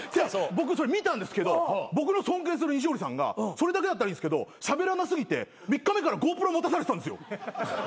僕それ見たんですけど僕の尊敬する西堀さんがそれだけだったらいいんすけどしゃべらな過ぎて３日目からＧｏＰｒｏ持たされてたんですよ。